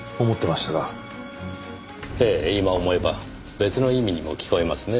ええ今思えば別の意味にも聞こえますねぇ。